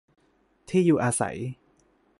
ที่อยู่อาศัย